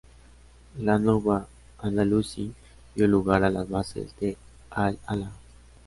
La nuba andalusí dio lugar a las bases del al-ala.